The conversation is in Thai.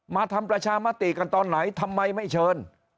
ทำประชามติกันตอนไหนทำไมไม่เชิญ